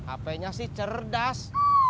apenya sih cerdas